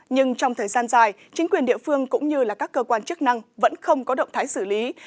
nhưng trong thời gian dài chính quyền địa phương cũng như các cơ quan chức năng vẫn không có động thái xử lý